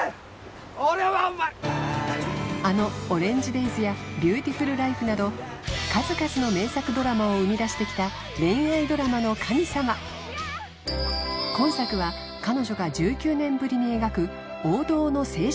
俺はお前あの「オレンジデイズ」や「ＢｅａｕｔｉｆｕｌＬｉｆｅ」など数々の名作ドラマを生みだしてきた恋愛ドラマの神様今作は彼女が１９年ぶりに描く王道の青春